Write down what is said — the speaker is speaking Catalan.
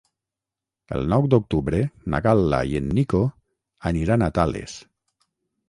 El nou d'octubre na Gal·la i en Nico aniran a Tales.